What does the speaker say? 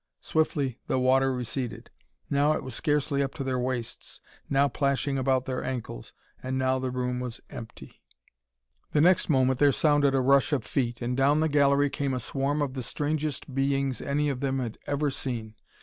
Swiftly the water receded. Now it was scarcely up to their waists, now plashing about their ankles, and now the room was empty. The next moment, there sounded a rush of feet and down the gallery came a swarm of the strangest beings any of them had ever seen.